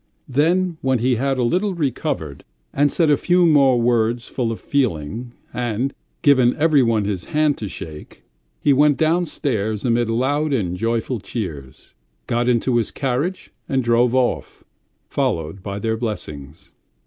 . Then when he had a little recovered and said a few more words full of feeling and given everyone his hand to shake, he went downstairs amid loud and joyful cheers, got into his carriage and drove off, followed by their blessings.